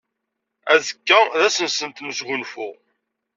Azekka d ass-nsent n wesgunfu.